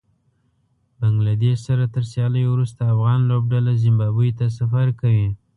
بنګله دېش سره تر سياليو وروسته افغان لوبډله زېمبابوې ته سفر کوي